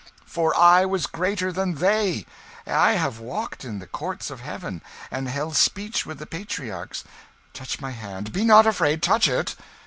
for I was greater than they. I have walked in the courts of heaven, and held speech with the patriarchs. Touch my hand be not afraid touch it.